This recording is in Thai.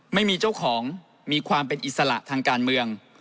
ไม่มีเจ้าของมีความเป็นอิสระทางการเมือง